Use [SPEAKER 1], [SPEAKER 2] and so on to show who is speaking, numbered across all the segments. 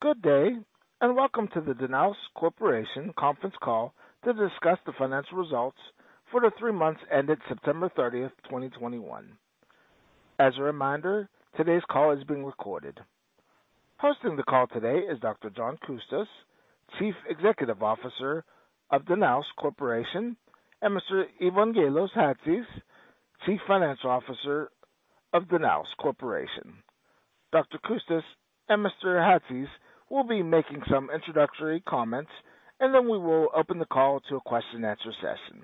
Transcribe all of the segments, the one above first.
[SPEAKER 1] Good day, and welcome to the Danaos Corporation conference call to discuss the financial results for the three months ended September 30, 2021. As a reminder, today's call is being recorded. Hosting the call today is Dr. John Coustas, Chief Executive Officer of Danaos Corporation, and Mr. Evangelos Chatzis, Chief Financial Officer of Danaos Corporation. Dr. Coustas and Mr. Chatzis will be making some introductory comments, and then we will open the call to a question-and-answer session.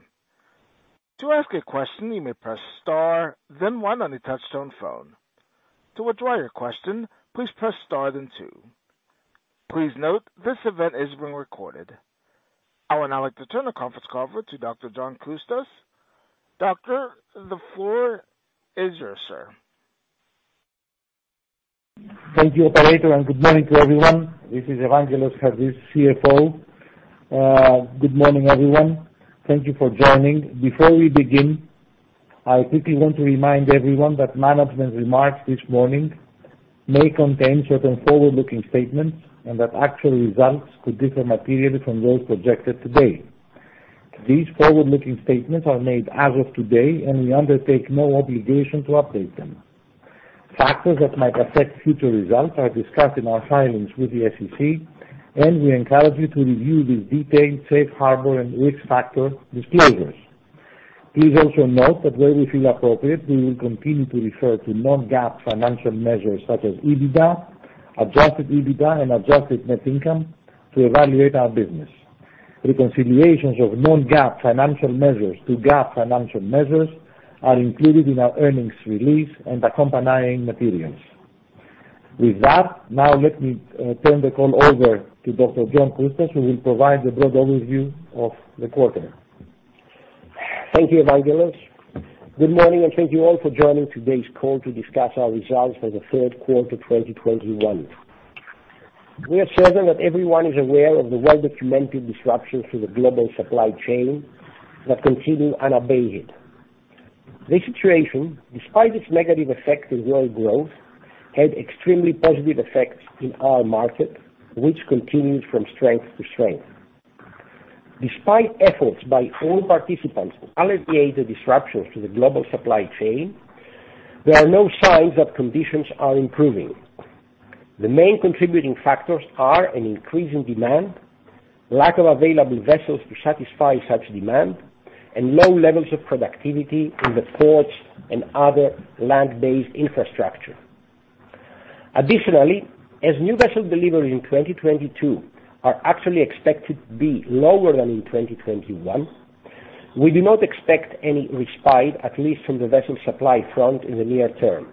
[SPEAKER 1] To ask a question, you may press star then one on your touchtone phone. To withdraw your question, please press star then two. Please note this event is being recorded. I would now like to turn the conference call over to Dr. John Coustas. Doctor, the floor is yours, sir.
[SPEAKER 2] Thank you, operator, and good morning to everyone. This is Evangelos Chatzis, CFO. Good morning, everyone. Thank you for joining. Before we begin, I quickly want to remind everyone that management remarks this morning may contain certain forward-looking statements and that actual results could differ materially from those projected today. These forward-looking statements are made as of today, and we undertake no obligation to update them. Factors that might affect future results are discussed in our filings with the SEC, and we encourage you to review these detailed safe harbor and risk factor disclosures. Please also note that where we feel appropriate, we will continue to refer to non-GAAP financial measures such as EBITDA, adjusted EBITDA, and adjusted net income to evaluate our business. Reconciliations of non-GAAP financial measures to GAAP financial measures are included in our earnings release and accompanying materials. With that, now let me turn the call over to Dr. John Coustas, who will provide the broad overview of the quarter.
[SPEAKER 3] Thank you, Evangelos. Good morning, and thank you all for joining today's call to discuss our results for the third quarter 2021. We are certain that everyone is aware of the well-documented disruptions to the global supply chain that continue unabated. This situation, despite its negative effect on world growth, had extremely positive effects in our market, which continues from strength to strength. Despite efforts by all participants to alleviate the disruptions to the global supply chain, there are no signs that conditions are improving. The main contributing factors are an increase in demand, lack of available vessels to satisfy such demand, and low levels of productivity in the ports and other land-based infrastructure. Additionally, as new vessel deliveries in 2022 are actually expected to be lower than in 2021, we do not expect any respite, at least from the vessel supply front, in the near term.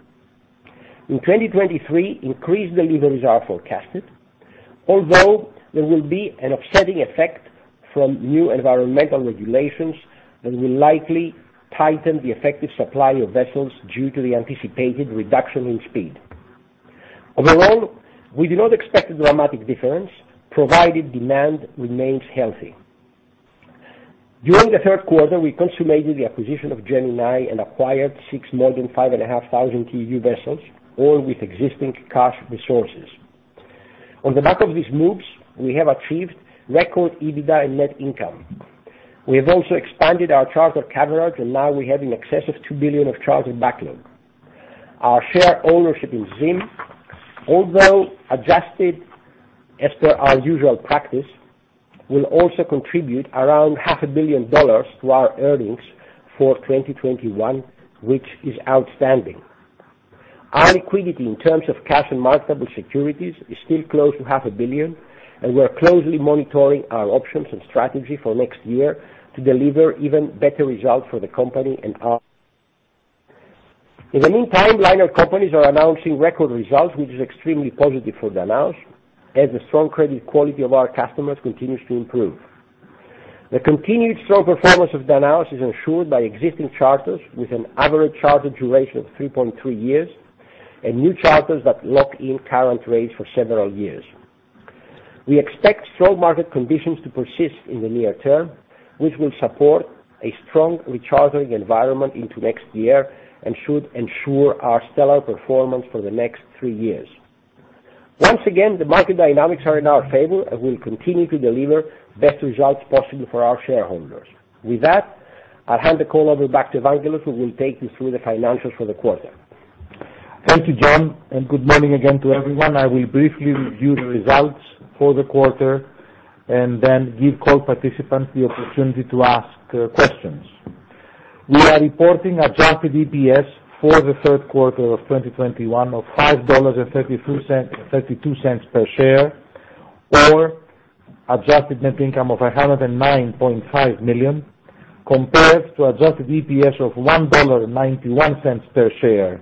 [SPEAKER 3] In 2023, increased deliveries are forecasted, although there will be an offsetting effect from new environmental regulations that will likely tighten the effective supply of vessels due to the anticipated reduction in speed. Overall, we do not expect a dramatic difference, provided demand remains healthy. During the third quarter, we consummated the acquisition of Gemini and acquired six more than 5,500 TEU vessels, all with existing cash resources. On the back of these moves, we have achieved record EBITDA and net income. We have also expanded our charter coverage, and now we have in excess of $2 billion of chartered backlog. Our share ownership in ZIM, although adjusted as per our usual practice, will also contribute around half a billion dollars to our earnings for 2021, which is outstanding. Our liquidity in terms of cash and marketable securities is still close to $0.5 billion, and we are closely monitoring our options and strategy for next year to deliver even better results for the company and our shareholders. In the meantime, liner companies are announcing record results, which is extremely positive for Danaos, as the strong credit quality of our customers continues to improve. The continued strong performance of Danaos is ensured by existing charters, with an average charter duration of 3.3 years, and new charters that lock in current rates for several years. We expect strong market conditions to persist in the near term, which will support a strong rechartering environment into next year and should ensure our stellar performance for the next three years. Once again, the market dynamics are in our favor, and we'll continue to deliver best results possible for our shareholders. With that, I'll hand the call over back to Evangelos, who will take you through the financials for the quarter.
[SPEAKER 2] Thank you, John, and good morning again to everyone. I will briefly review the results for the quarter and then give call participants the opportunity to ask questions. We are reporting adjusted EPS for the third quarter of 2021 of $5.32 per share, or adjusted net income of $109.5 million, compared to adjusted EPS of $1.91 per share,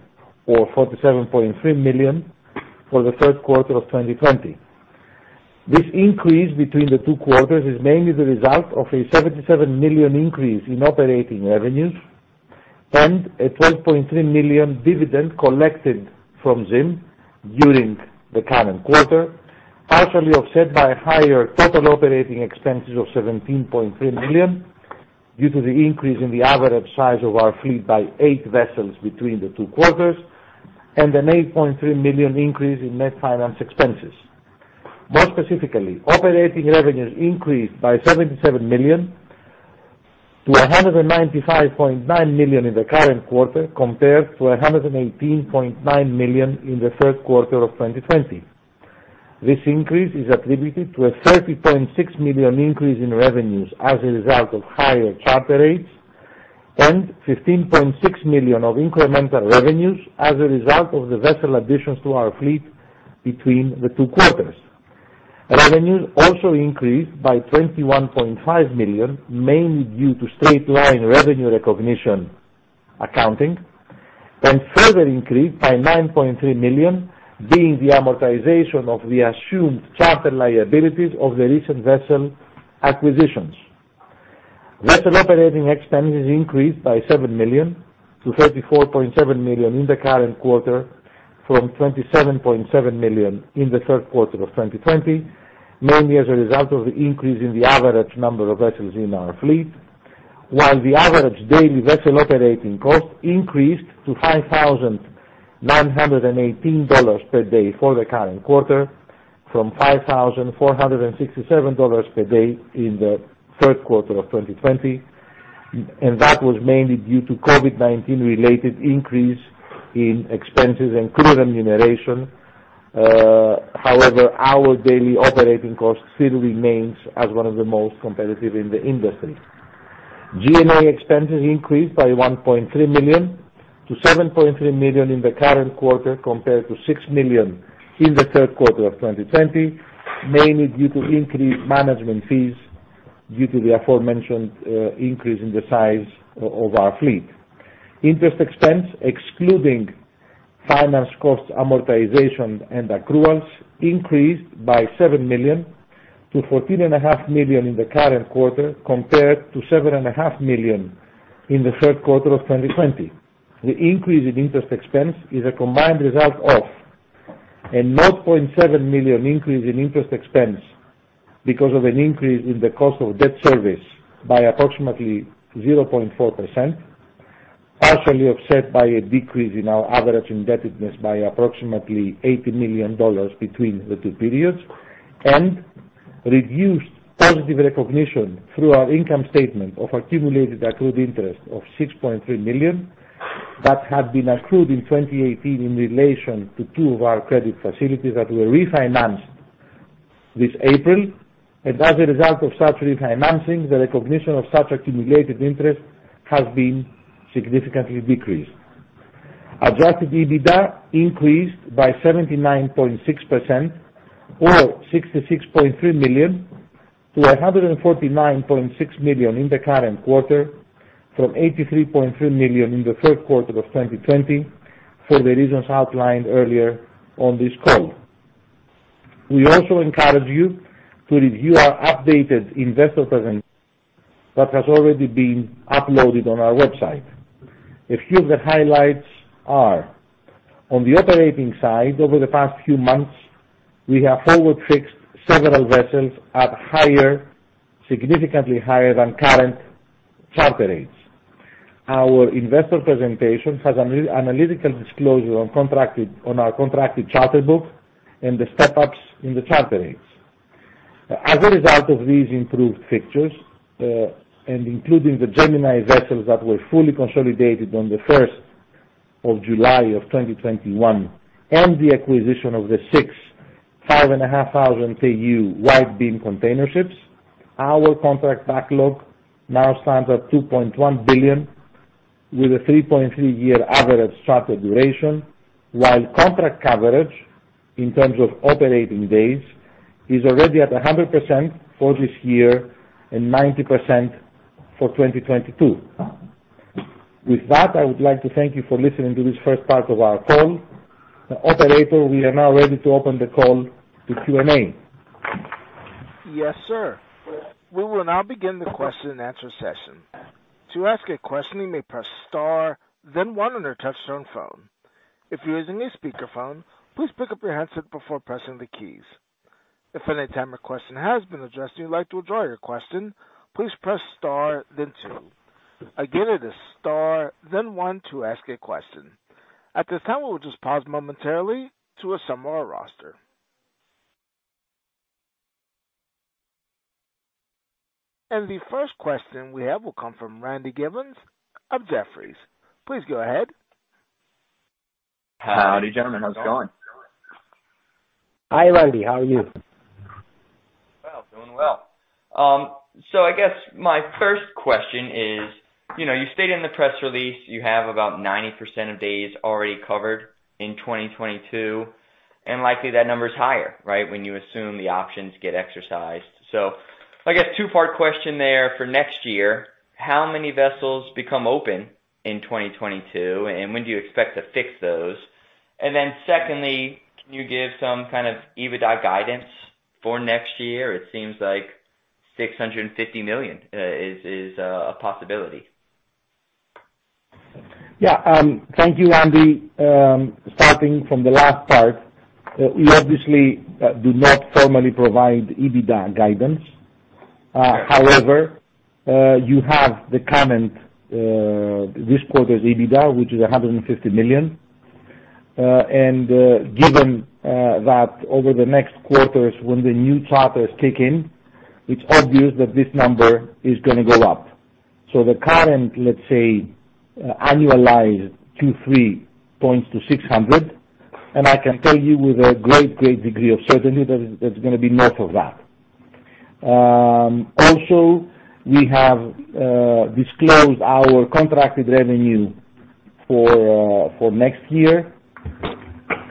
[SPEAKER 2] or $47.3 million, for the third quarter of 2020. This increase between the two quarters is mainly the result of a $77 million increase in operating revenues and a $12.3 million dividend collected from ZIM during the current quarter, partially offset by higher total operating expenses of $17.3 million due to the increase in the average size of our fleet by 8 vessels between the two quarters and a $8.3 million increase in net finance expenses. More specifically, operating revenues increased by $77 million to $195.9 million in the current quarter compared to $118.9 million in the third quarter of 2020. This increase is attributed to a $30.6 million increase in revenues as a result of higher charter rates and $15.6 million of incremental revenues as a result of the vessel additions to our fleet between the two quarters. Revenues also increased by $21.5 million, mainly due to straight-line revenue recognition accounting, then further increased by $9.3 million being the amortization of the assumed charter liabilities of the recent vessel acquisitions. Vessel operating expenses increased by $7 million to $34.7 million in the current quarter from $27.7 million in the third quarter of 2020, mainly as a result of the increase in the average number of vessels in our fleet. While the average daily vessel operating cost increased to $5,918 per day for the current quarter from $5,467 per day in the third quarter of 2020. And that was mainly due to COVID-19 related increase in expenses and crew remuneration. However, our daily operating cost still remains as one of the most competitive in the industry. G&A expenses increased by $1.3 million to $7.3 million in the current quarter compared to $6 million in the third quarter of 2020, mainly due to increased management fees due to the aforementioned increase in the size of our fleet. Interest expense excluding finance cost amortization and accruals increased by $7 million to $14.5 million in the current quarter compared to $7.5 million in the third quarter of 2020. The increase in interest expense is a combined result of a $0.7 million increase in interest expense because of an increase in the cost of debt service by approximately 0.4%, partially offset by a decrease in our average indebtedness by approximately $80 million between the two periods and reduced positive recognition through our income statement of accumulated accrued interest of $6.3 million that had been accrued in 2018 in relation to two of our credit facilities that were refinanced this April. As a result of such refinancing, the recognition of such accumulated interest has been significantly decreased. Adjusted EBITDA increased by 79.6% or $66.3 million to $149.6 million in the current quarter from $83.3 million in the third quarter of 2020, for the reasons outlined earlier on this call. We also encourage you to review our updated investor presentation that has already been uploaded on our website. A few of the highlights are, on the operating side, over the past few months, we have forward fixed several vessels at higher, significantly higher than current charter rates. Our investor presentation has analytical disclosure on our contracted charter book and the step ups in the charter rates. As a result of these improved fixtures, and including the Gemini vessels that were fully consolidated on July 1, 2021 and the acquisition of the six 5,500 TEU wide-beam container ships, our contract backlog now stands at $2.1 billion with a 3.3-year average charter duration, while contract coverage in terms of operating days is already at 100% for this year and 90% for 2022. With that, I would like to thank you for listening to this first part of our call. Operator, we are now ready to open the call to Q&A.
[SPEAKER 1] Yes, sir. We will now begin the question and answer session. To ask a question, you may press star then one on your touchtone phone. If you're using a speakerphone, please pick up your handset before pressing the keys. If at any time a question has been addressed and you'd like to withdraw your question, please press star then two. Again, it is star then one to ask a question. At this time, we'll just pause momentarily to assemble our roster. The first question we have will come from Randy Giveans of Jefferies. Please go ahead.
[SPEAKER 4] Howdy, gentlemen. How's it going?
[SPEAKER 2] Hi, Randy. How are you?
[SPEAKER 4] Well, doing well. I guess my first question is, you know, you stated in the press release you have about 90% of days already covered in 2022, and likely that number is higher, right, when you assume the options get exercised. So, I guess two-part question there for next year, how many vessels become open in 2022, and when do you expect to fix those? Adn then secondly, can you give some kind of EBITDA guidance for next year? It seems like $650 million is a possibility.
[SPEAKER 2] Yeah. Thank you, Randy. Starting from the last part, we obviously do not formally provide EBITDA guidance. However, you have the current this quarter's EBITDA, which is $150 million. Given that over the next quarters when the new charter is kicking, it's obvious that this number is gonna go up. The current, let's say, annualized Q3 points to 600 points, and I can tell you with a great degree of certainty that it's gonna be north of that. Also we have disclosed our contracted revenue for next year,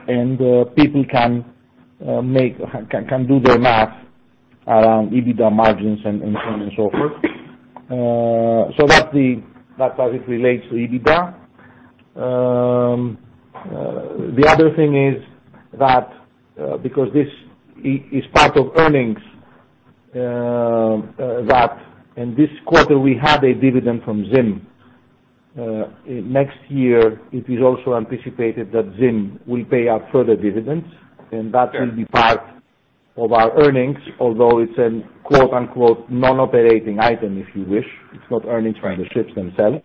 [SPEAKER 2] and people can do their math around EBITDA margins and so on and so forth. So that's how it relates to EBITDA. The other thing is that, because this is part of earnings, that in this quarter we had a dividend from ZIM. Next year it is also anticipated that ZIM will pay out further dividends, and that will be part of our earnings although it's a quote, unquote, "non-operating item", if you wish. It's not earnings from the ships themselves.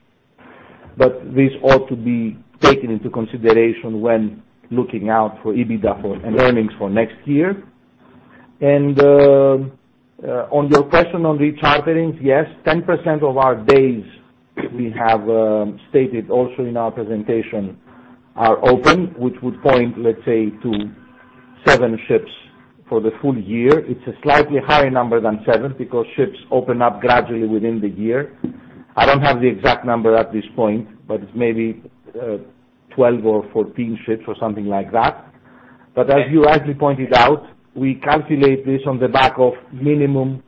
[SPEAKER 2] This ought to be taken into consideration when looking out for EBITDA and earnings for next year. And on your question on rechartering, yes, 10% of our days we have, stated also in our presentation are open, which would point, let's say, to seven ships for the full year. It's a slightly higher number than seven because ships open up gradually within the year. I don't have the exact number at this point, but it's maybe 12 or 14 ships or something like that. As you rightly pointed out, we calculate this on the back of minimum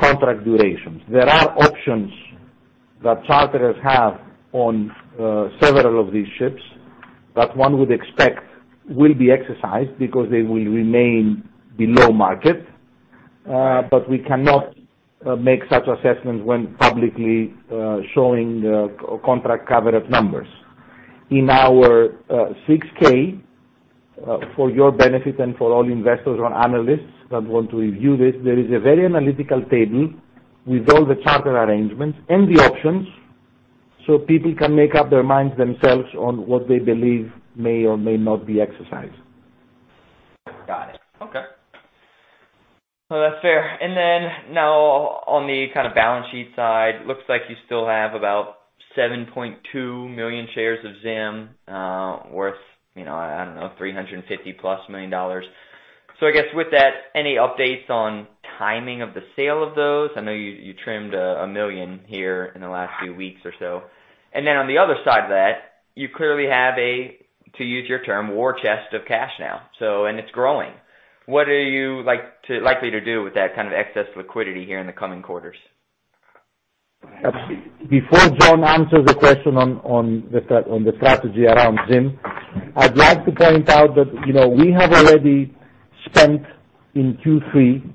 [SPEAKER 2] contract durations. There are options that charterers have on several of these ships that one would expect will be exercised because they will remain below market. But we cannot make such assessments when publicly showing the contract coverage numbers. In our 6-K, for your benefit and for all investors or analysts that want to review this, there is a very analytical table with all the charter arrangements and the options, so people can make up their minds themselves on what they believe may or may not be exercised.
[SPEAKER 4] Got it. Okay. That's fair. Now on the kind of balance sheet side, looks like you still have about 7.2 million shares of ZIM, worth, you know, I don't know, $350+ million. So, I guess with that, any updates on timing of the sale of those? I know you trimmed one million here in the last few weeks or so. On the other side of that, you clearly have, to use your term, war chest of cash now, and it's growing. What are you likely to do with that kind of excess liquidity here in the coming quarters?
[SPEAKER 2] Before John answers the question on the strategy around ZIM, I'd like to point out that, you know, we have already spent in Q3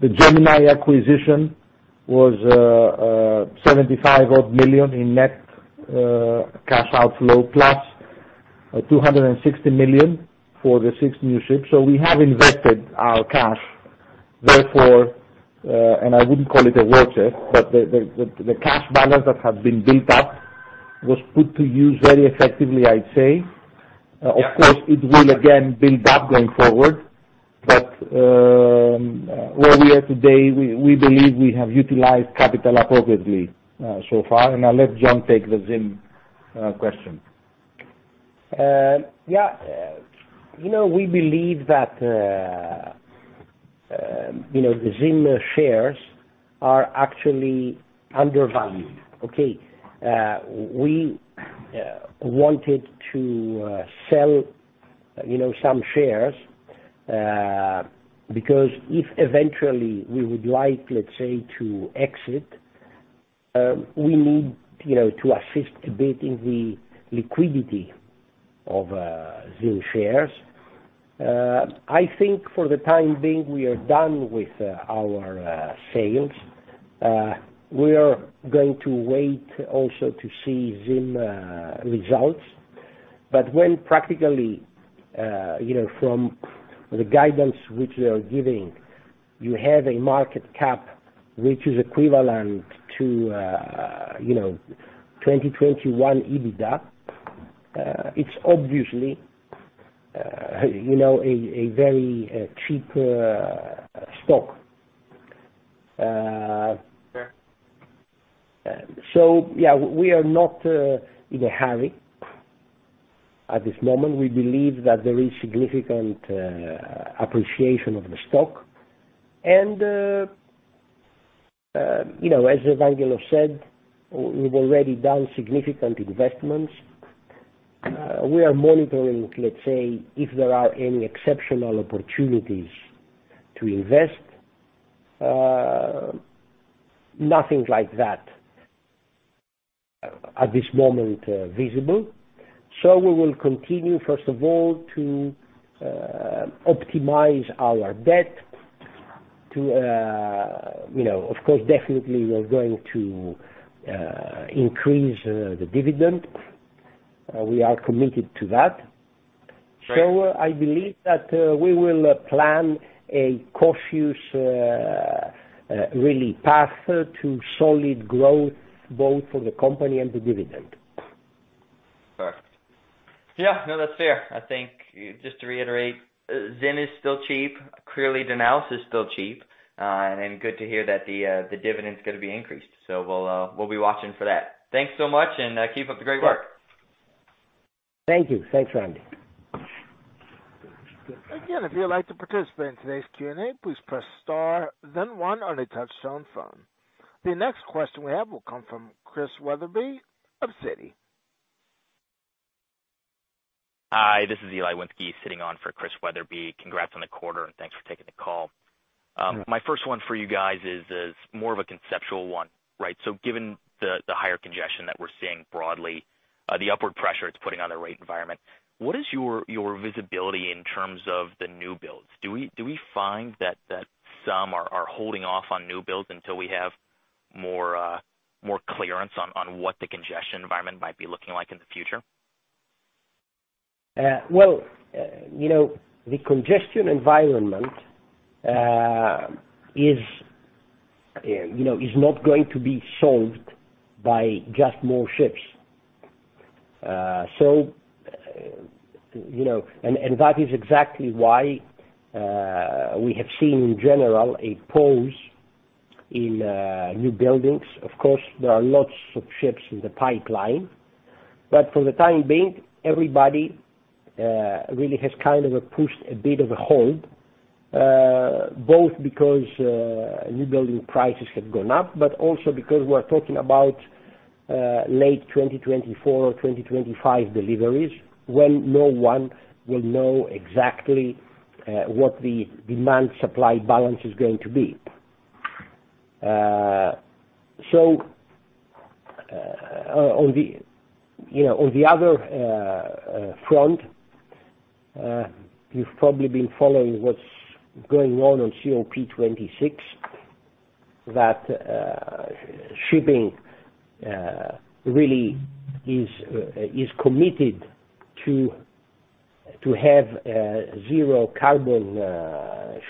[SPEAKER 2] the Gemini acquisition was 75 odd million in net cash outflow plus $260 million for the six new ships. We have invested our cash, therefore, and I wouldn't call it a war chest, but the cash balance that has been built up was put to use very effectively, I'd say. Of course, it will again build up going forward. Where we are today, we believe we have utilized capital appropriately, so far. I'll let John take the ZIM question.
[SPEAKER 3] Yeah. You know, we believe that, you know, the ZIM shares are actually undervalued, okay? We wanted to sell, you know, some shares because if eventually we would like, let's say, to exit, we need, you know, to assist a bit in the liquidity of ZIM shares. I think for the time being we are done with our sales. We are going to wait also to see ZIM results. But when practically, you know, from the guidance which they are giving, you have a market cap which is equivalent to, you know, 2021 EBITDA, it's obviously, you know, a very cheap stock.
[SPEAKER 4] Sure.
[SPEAKER 3] So, yeah, we are not in a hurry at this moment. We believe that there is significant appreciation of the stock. And you know, as Evangelos said, we've already done significant investments. We are monitoring, let's say, if there are any exceptional opportunities to invest. Nothing like that at this moment visible. So, we will continue, first of all, to optimize our debt to you know, of course, definitely we're going to increase the dividend. We are committed to that.
[SPEAKER 4] Great.
[SPEAKER 3] So, I believe that we will plan a cautious, really path to solid growth both for the company and the dividend.
[SPEAKER 4] Perfect. Yeah, no, that's fair. I think just to reiterate, ZIM is still cheap. Clearly, Danaos is still cheap. Good to hear that the dividend is gonna be increased. We'll be watching for that. Thanks so much, and keep up the great work.
[SPEAKER 3] Thank you. Thanks, Randy.
[SPEAKER 1] Again, if you'd like to participate in today's Q&A, please press star then one on your touchtone phone. The next question we have will come from Chris Wetherbee of Citi.
[SPEAKER 5] Hi, this is Eli Winski sitting in for Chris Wetherbee. Congrats on the quarter, and thanks for taking the call. My first one for you guys is more of a conceptual one, right? So, given the higher congestion that we're seeing broadly, the upward pressure it's putting on the rate environment, what is your visibility in terms of the new builds? Do we find that some are holding off on new builds until we have more clearance on what the congestion environment might be looking like in the future?
[SPEAKER 3] Well, you know, the congestion environment is you know, not going to be solved by just more ships. So, you know, that is exactly why we have seen in general a pause in new buildings. Of course, there are lots of ships in the pipeline, but for the time being, everybody really has kind of pushed a bit of a hold both because new building prices have gone up, but also because we're talking about late 2024 or 2025 deliveries when no one will know exactly what the demand supply balance is going to be. On the, you know, on the other front, you've probably been following what's going on on COP26, that shipping really is committed to have zero carbon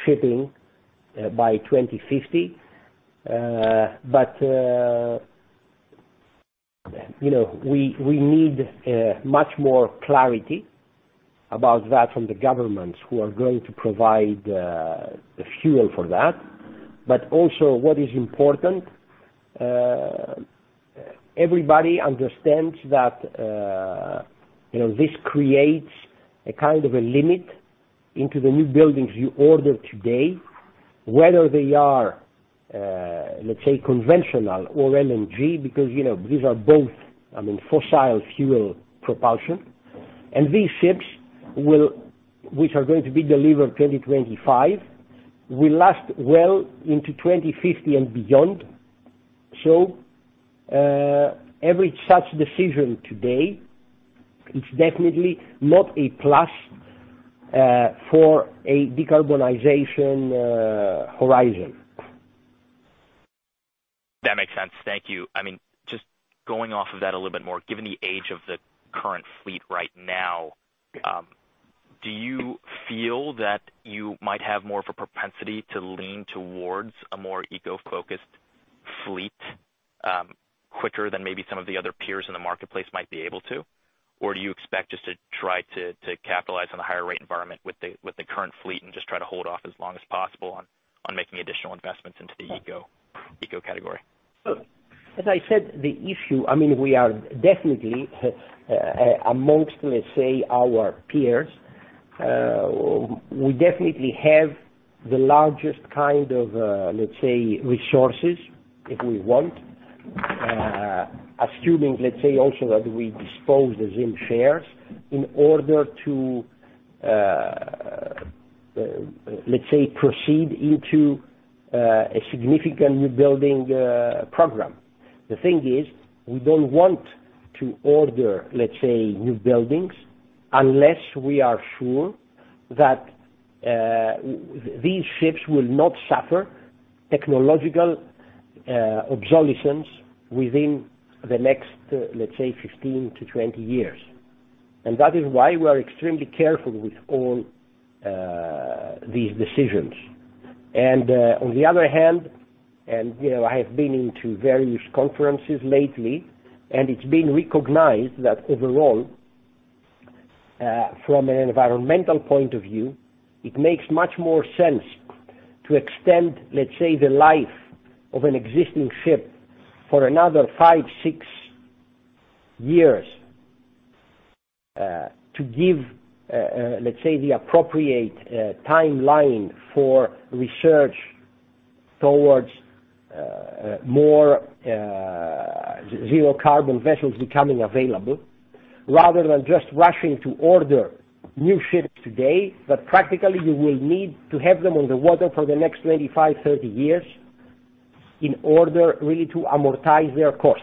[SPEAKER 3] shipping by 2050. But you know, we need much more clarity about that from the governments who are going to provide the fuel for that. Also what is important, everybody understands that, you know, this creates a kind of a limit into the new buildings you order today, whether they are, let's say conventional or LNG, because, you know, these are both, I mean, fossil fuel propulsion. And these ships which are going to be delivered 2025 will last well into 2050 and beyond. Every such decision today is definitely not a plus for a decarbonization horizon.
[SPEAKER 5] That makes sense. Thank you. I mean, just going off of that a little bit more, given the age of the current fleet right now, do you feel that you might have more of a propensity to lean towards a more eco-focused fleet, quicker than maybe some of the other peers in the marketplace might be able to? Or do you expect just to try to capitalize on the higher rate environment with the current fleet and just try to hold off as long as possible on making additional investments into the eco category?
[SPEAKER 3] Look, as I said, the issue, I mean, we are definitely amongst, let's say, our peers, we definitely have the largest kind of, let's say, resources if we want, assuming, let's say also that we dispose the ZIM shares in order to, let's say, proceed into a significant new building program. The thing is, we don't want to order, let's say, new buildings unless we are sure that these ships will not suffer technological obsolescence within the next 15 to 20 years. That is why we are extremely careful with all these decisions. On the other hand, you know, I have been into various conferences lately, and it's been recognized that overall, from an environmental point of view, it makes much more sense to extend, let's say, the life of an existing ship for another five to six years, to give, let's say, the appropriate timeline for research towards more zero carbon vessels becoming available. Rather than just rushing to order new ships today, but practically you will need to have them on the water for the next 25 to 30 years in order really to amortize their cost.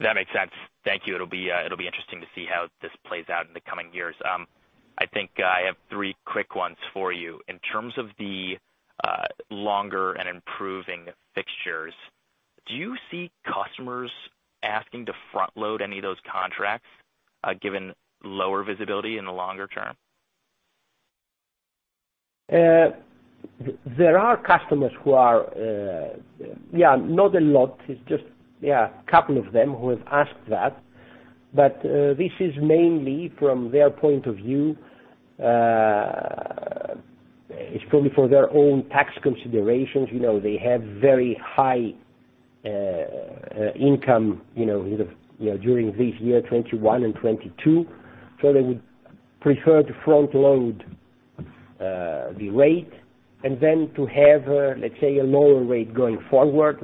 [SPEAKER 5] That makes sense. Thank you. It'll be interesting to see how this plays out in the coming years. I think I have three quick ones for you. In terms of the longer and improving fixtures, do you see customers asking to front load any of those contracts, given lower visibility in the longer term?
[SPEAKER 3] There are customers who are not a lot. It's just a couple of them who have asked that. This is mainly from their point of view. It's probably for their own tax considerations. You know, they have very high income, you know, either, you know, during this year, 2021 and 2022. They would prefer to front load the rate and then to have, let's say, a lower rate going forward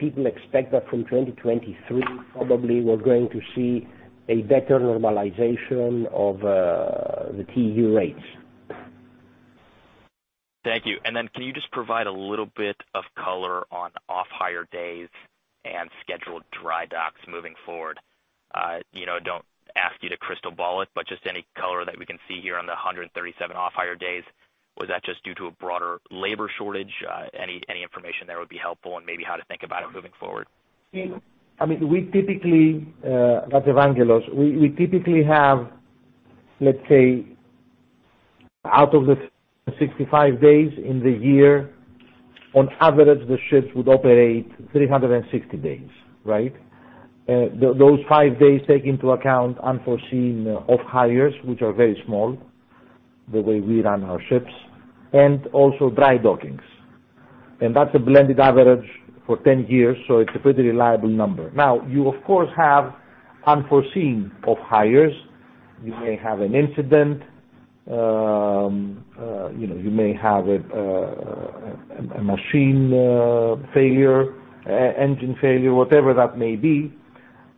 [SPEAKER 3] when people expect that from 2023, probably we're going to see a better normalization of the TEU rates.
[SPEAKER 5] Thank you. Can you just provide a little bit of color on off-hire days and scheduled dry docks moving forward? You know, I don't ask you to crystal ball it, but just any color that we can see here on the 137 off-hire days. Was that just due to a broader labor shortage? Any information there would be helpful and maybe how to think about it moving forward.
[SPEAKER 2] I mean, we typically. That's Evangelos. We typically have, let's say, out of the 65 days in the year, on average, the ships would operate 360 days, right? Those five days take into account unforeseen off-hires, which are very small, the way we run our ships, and also dry dockings. That's a blended average for 10 years, so it's a pretty reliable number. Now, you of course have unforeseen off-hires. You may have an incident. You know, you may have a machine failure, engine failure, whatever that may be,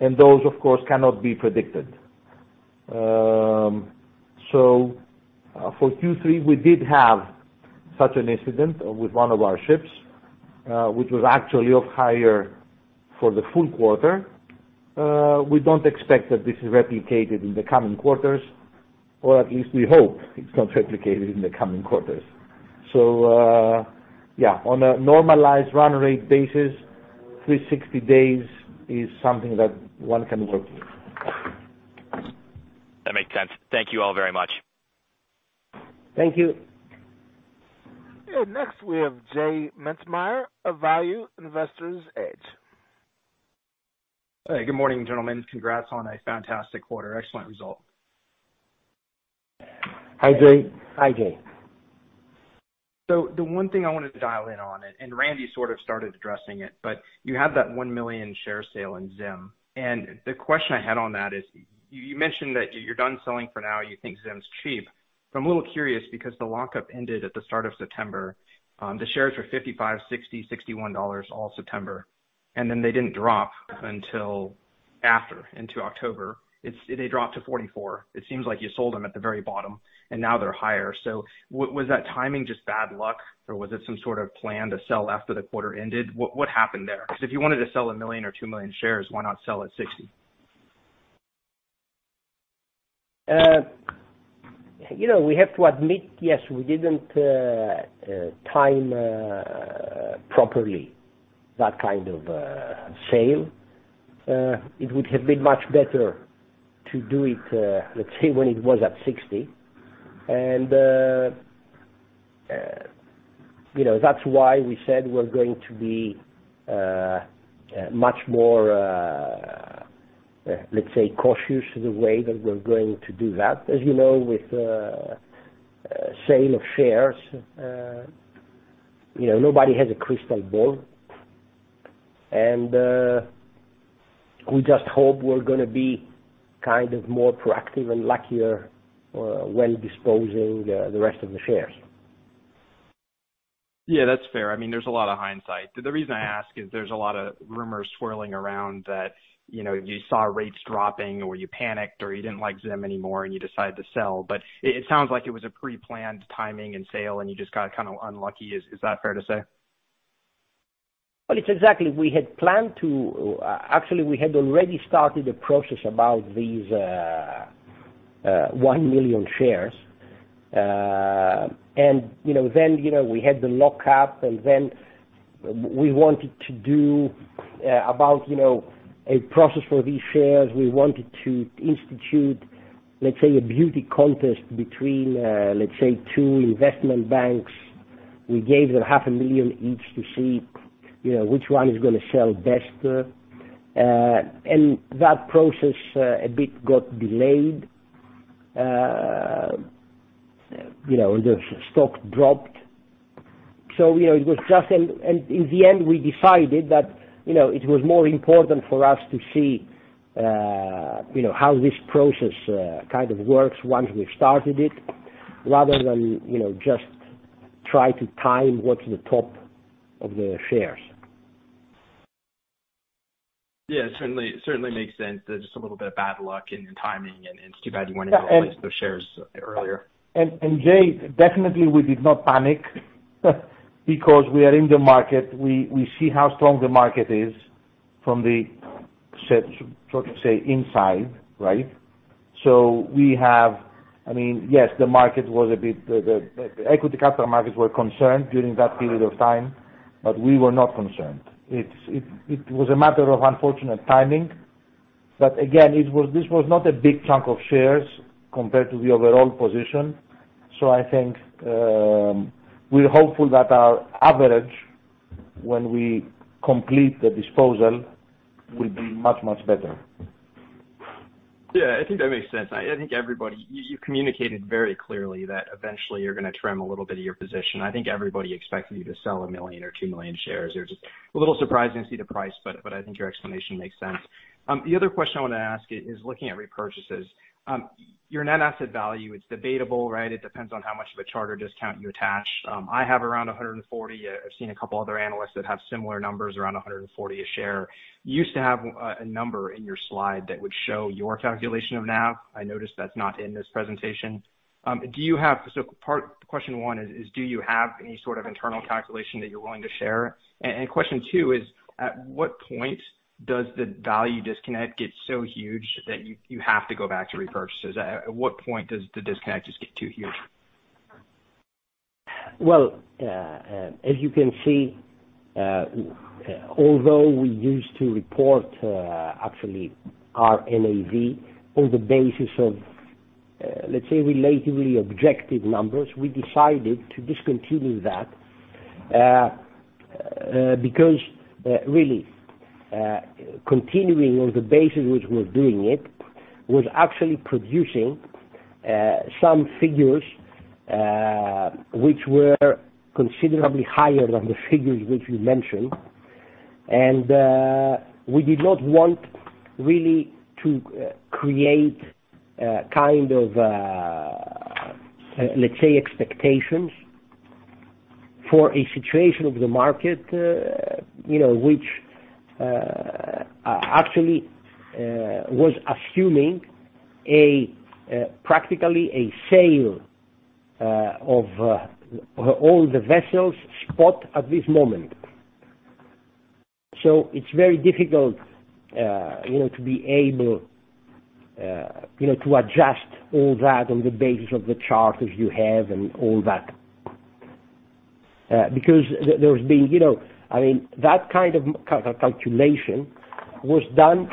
[SPEAKER 2] and those, of course, cannot be predicted. So for Q3, we did have such an incident with one of our ships, which was actually off-hire for the full quarter.
[SPEAKER 3] We don't expect that this is replicated in the coming quarters, or at least we hope it's not replicated in the coming quarters. On a normalized run rate basis, 360 days is something that one can work with.
[SPEAKER 5] That makes sense. Thank you all very much.
[SPEAKER 3] Thank you.
[SPEAKER 1] Next we have J Mintzmyer of Value Investor's Edge.
[SPEAKER 6] Hey, good morning, gentlemen. Congrats on a fantastic quarter. Excellent result.
[SPEAKER 3] Hi, J.
[SPEAKER 2] Hi, J.
[SPEAKER 6] The one thing I wanted to dial in on, and Randy sort of started addressing it, but you have that one million share sale in ZIM. The question I had on that is, you mentioned that you're done selling for now, you think ZIM's cheap. I'm a little curious because the lockup ended at the start of September. The shares were $55, $60, $61 all September, and then they didn't drop until after into October. They dropped to $44. It seems like you sold them at the very bottom and now they're higher. Was that timing just bad luck or was it some sort of plan to sell after the quarter ended? What happened there? Because if you wanted to sell a million or two million shares, why not sell at $60?
[SPEAKER 3] You know, we have to admit, yes, we didn't time properly that kind of sale. It would have been much better to do it, let's say when it was at $60. You know, that's why we said we're going to be much more, let's say cautious the way that we're going to do that. As you know, with sale of shares, you know, nobody has a crystal ball. We just hope we're gonna be kind of more proactive and luckier when disposing the rest of the shares.
[SPEAKER 6] Yeah, that's fair. I mean, there's a lot of hindsight. The reason I ask is there's a lot of rumors swirling around that, you know, you saw rates dropping or you panicked or you didn't like ZIM anymore and you decided to sell. It sounds like it was a pre-planned timing and sale and you just got kind of unlucky. Is that fair to say?
[SPEAKER 3] Well, it's exactly. Actually, we had already started a process about these one million shares. You know, then we had the lockup, and then we wanted to do a process for these shares. We wanted to institute, let's say, a beauty contest between, let's say, two investment banks. We gave them 0.5 million each to see, you know, which one is gonna sell best. That process a bit got delayed. You know, the stock dropped. It was just and in the end, we decided that, you know, it was more important for us to see, you know, how this process kind of works once we started it, rather than, you know, just try to time what's the top of the shares.
[SPEAKER 6] Yeah. It certainly makes sense. There's just a little bit of bad luck in timing, and it's too bad you weren't able.
[SPEAKER 3] Yeah.
[SPEAKER 6] To release those shares earlier.
[SPEAKER 3] J, definitely we did not panic because we are in the market. We see how strong the market is from the seat, so to say, inside, right? I mean, yes, the equity capital markets were concerned during that period of time, but we were not concerned. It was a matter of unfortunate timing. Again, this was not a big chunk of shares compared to the overall position. I think, we're hopeful that our average, when we complete the disposal, will be much, much better.
[SPEAKER 6] Yeah. I think that makes sense. I think everybody you communicated very clearly that eventually you're gonna trim a little bit of your position. I think everybody expects you to sell one million or two million shares. It's just a little surprising to see the price, but I think your explanation makes sense. The other question I wanna ask is looking at repurchases. Your net asset value, it's debatable, right? It depends on how much of a charter discount you attach. I have around $140. I've seen a couple other analysts that have similar numbers around $140 a share. You used to have a number in your slide that would show your calculation of NAV. I noticed that's not in this presentation. Do you have... Part question one is, do you have any sort of internal calculation that you're willing to share? Question two is, at what point does the value disconnect get so huge that you have to go back to repurchases? At what point does the disconnect just get too huge?
[SPEAKER 3] Well, as you can see, although we used to report, actually our NAV on the basis of, let's say, relatively objective numbers, we decided to discontinue that, because, really, continuing on the basis which we're doing it was actually producing, some figures, which were considerably higher than the figures which you mentioned. We did not want really to create a kind of a, let's say, expectations for a situation of the market, you know, which, actually, was assuming a, practically a sale, of, all the vessels spot at this moment. It's very difficult, you know, to be able, you know, to adjust all that on the basis of the charters you have and all that, because there's been, you know. I mean, that kind of calculation was done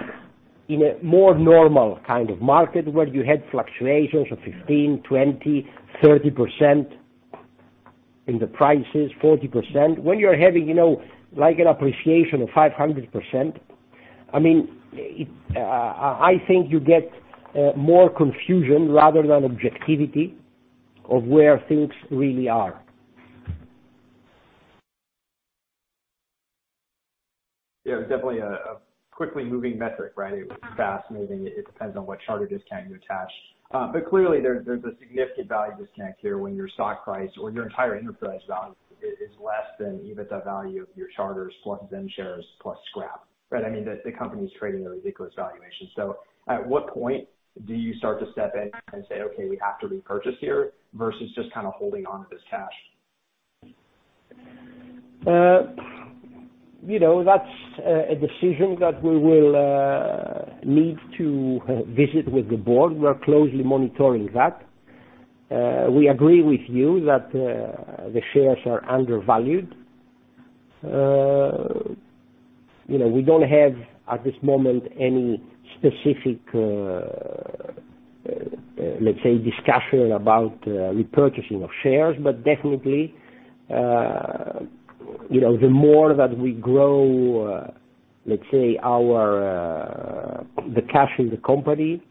[SPEAKER 3] in a more normal kind of market where you had fluctuations of 15, 20, 30% in the prices, 40%. When you're having, you know, like an appreciation of 500%, I mean, I think you get more confusion rather than objectivity of where things really are.
[SPEAKER 6] Yeah. Definitely a quickly moving metric, right? It was fascinating. It depends on what charter discount you attach. But clearly there's a significant value disconnect here when your stock price or your entire enterprise value is less than even the value of your charters plus them shares plus scrap. Right? I mean, the company's trading a ridiculous valuation. At what point do you start to step in and say, "Okay, we have to repurchase here," versus just kind of holding on to this cash?
[SPEAKER 3] You know, that's a decision that we will need to visit with the board. We are closely monitoring that. We agree with you that the shares are undervalued. You know, we don't have, at this moment, any specific, let's say, discussion about repurchasing of shares. Definitely, you know, the more that we grow, let's say, our cash in the company,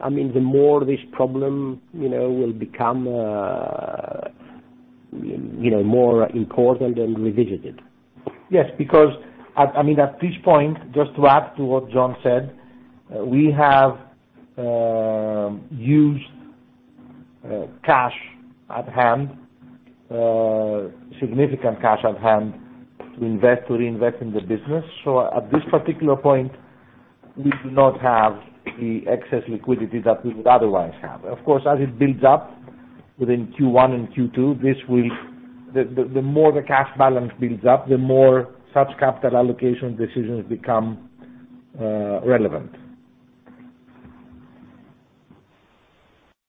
[SPEAKER 3] I mean, the more this problem, you know, will become more important and revisited.
[SPEAKER 2] Yes. Because I mean, at this point, just to add to what John said, we have used cash at hand, significant cash at hand to reinvest in the business. So at this particular point, we do not have the excess liquidity that we would otherwise have. Of course, as it builds up within Q1 and Q2, this will. The more the cash balance builds up, the more such capital allocation decisions become relevant.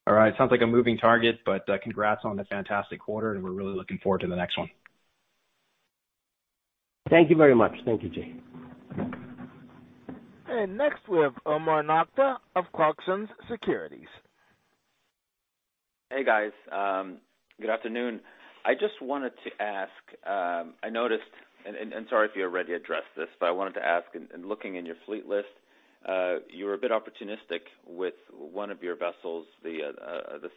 [SPEAKER 6] All right. Sounds like a moving target, but congrats on the fantastic quarter, and we're really looking forward to the next one.
[SPEAKER 3] Thank you very much. Thank you, Jay.
[SPEAKER 1] Next, we have Omar Nokta of Clarksons Platou Securities.
[SPEAKER 7] Hey, guys. Good afternoon. I just wanted to ask. I noticed, and sorry if you already addressed this, but I wanted to ask. In looking in your fleet list, you're a bit opportunistic with one of your vessels, the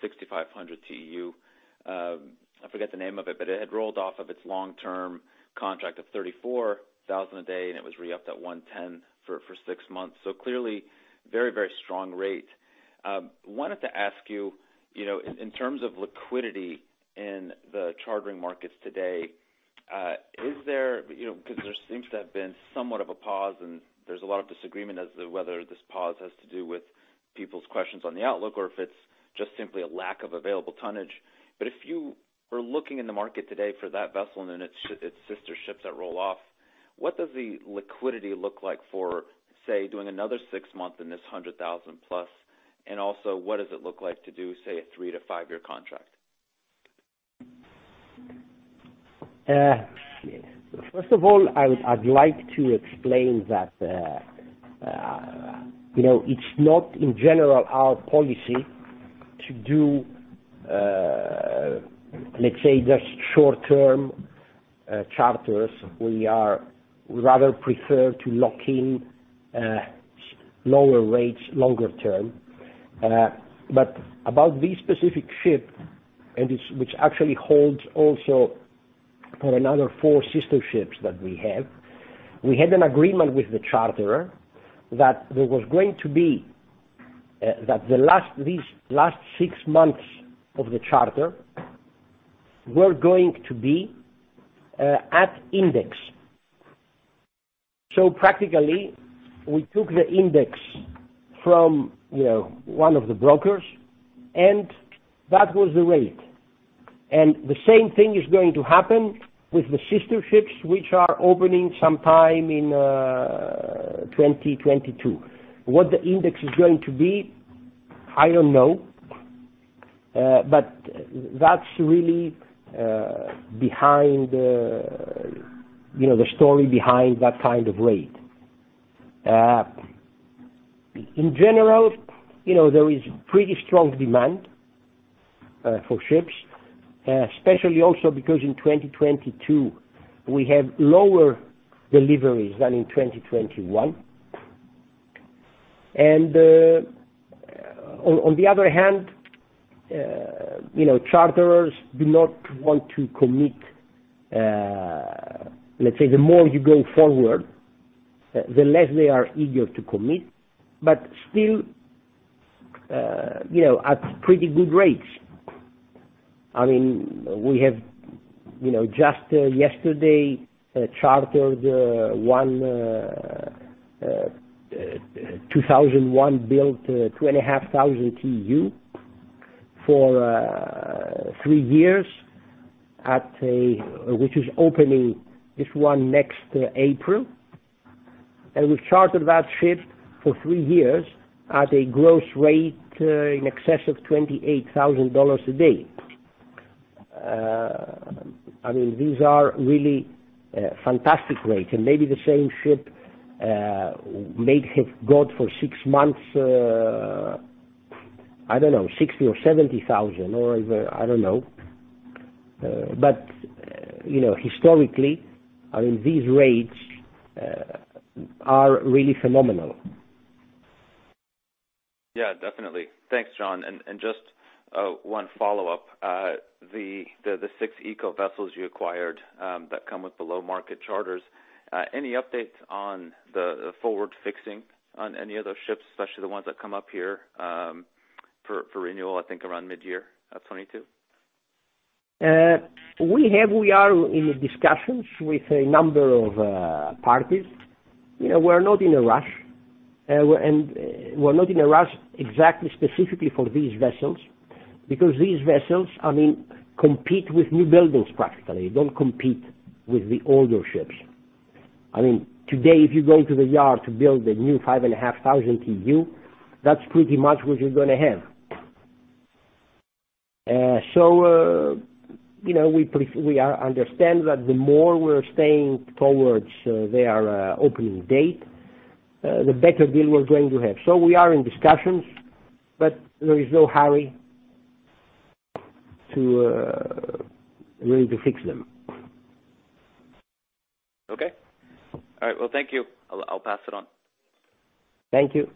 [SPEAKER 7] 6,500 TEU. I forget the name of it, but it had rolled off of its long-term contract of $34,000 a day, and it was re-upped at $110,000 for six months. So clearly very, very strong rate. Wanted to ask you know, in terms of liquidity in the chartering markets today, is there you know, because there seems to have been somewhat of a pause, and there's a lot of disagreement as to whether this pause has to do with people's questions on the outlook or if it's just simply a lack of available tonnage. If you were looking in the market today for that vessel and then its sister ships that roll off, what does the liquidity look like for, say, doing another six months in this 100,000 plus, and also what does it look like to do, say, a three-fiveyear contract?
[SPEAKER 3] First of all, I'd like to explain that, you know, it's not in general our policy to do, let's say, just short-term charters. We rather prefer to lock in lower rates longer term. About this specific ship, which actually holds also for another four sister ships that we have. We had an agreement with the charterer that these last six months of the charter were going to be at index. So practically, we took the index from, you know, one of the brokers, and that was the rate. The same thing is going to happen with the sister ships which are opening sometime in 2022. What the index is going to be, I don't know. That's really behind the, you know, the story behind that kind of rate. In general, you know, there is pretty strong demand for ships, especially also because in 2022 we have lower deliveries than in 2021. On the other hand, you know, charterers do not want to commit, let's say the more you go forward, the less they are eager to commit, but still, you know, at pretty good rates. I mean, we have, you know, just yesterday chartered one 2001-built 2,500 TEU for three years at a which is opening this one next April. We've chartered that ship for three years at a gross rate in excess of $28,000 a day. I mean, these are really fantastic rates. Maybe the same ship may have got for six months, I don't know, $60,000 or $70,000 or either, I don't know. You know, historically, I mean, these rates are really phenomenal.
[SPEAKER 7] Yeah, definitely. Thanks, John. Just one follow-up. The six eco vessels you acquired that come with the low market charters, any updates on the forward fixing on any of those ships, especially the ones that come up here for renewal, I think around midyear of 2022?
[SPEAKER 3] We are in discussions with a number of parties. You know, we're not in a rush. We're not in a rush exactly specifically for these vessels, because these vessels, I mean, compete with new buildings practically. They don't compete with the older ships. I mean, today, if you go to the yard to build a new 5,500 TEU, that's pretty much what you're gonna have. You know, we understand that the more we're staying towards their opening date, the better deal we're going to have. We are in discussions, but there is no hurry to really fix them.
[SPEAKER 7] Okay. All right. Well, thank you. I'll pass it on.
[SPEAKER 3] Thank you.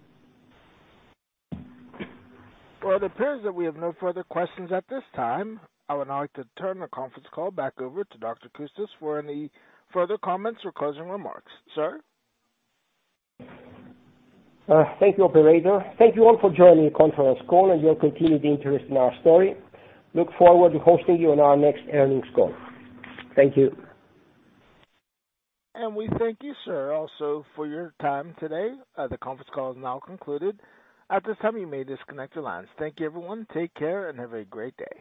[SPEAKER 1] Well, it appears that we have no further questions at this time. I would like to turn the conference call back over to Dr. Coustas for any further comments or closing remarks. Sir?
[SPEAKER 3] Thank you, operator. Thank you all for joining the conference call and your continued interest in our story. We look forward to hosting you on our next earnings call. Thank you.
[SPEAKER 1] We thank you, sir, also for your time today. The conference call is now concluded. At this time, you may disconnect your lines. Thank you, everyone. Take care, and have a great day.